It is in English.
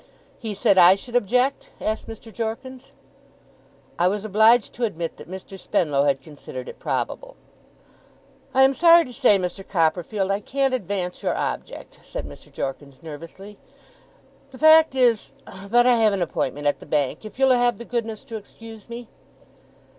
'He said I should object?' asked Mr. Jorkins. I was obliged to admit that Mr. Spenlow had considered it probable. 'I am sorry to say, Mr. Copperfield, I can't advance your object,' said Mr. Jorkins, nervously. 'The fact is but I have an appointment at the Bank, if you'll have the goodness to excuse me.